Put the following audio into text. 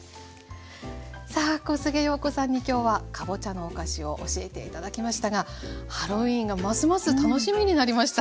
さあ小菅陽子さんに今日はかぼちゃのお菓子を教えて頂きましたがハロウィーンがますます楽しみになりました。